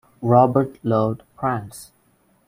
Robert loved pranks.